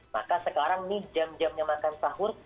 maka sekarang nih jam jamnya makan sahur